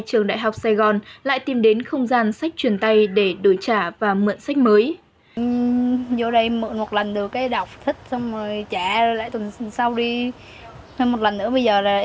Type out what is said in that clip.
trường đại học sài gòn lại tìm đến không gian sách truyền tay để đổi trả và mượn sách mới